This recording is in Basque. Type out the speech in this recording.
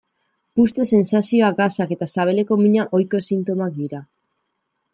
Puzte-sentsazioa, gasak eta sabeleko mina ohiko sintomak dira.